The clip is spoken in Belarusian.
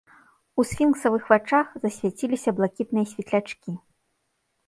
У сфінксавых вачах засвяціліся блакітныя светлячкі.